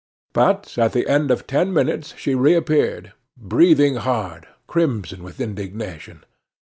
But at the end of ten minutes she reappeared breathing hard, crimson with indignation.